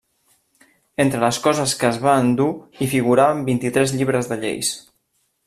Entre les coses que es va endur hi figuraven vint-i-tres llibres de lleis.